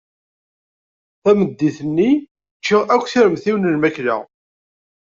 Tameddit-nni ččiɣ akk tiremt-iw n lmakla.